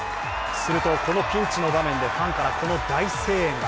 するとこのピンチの場面でファンからこの大声援が。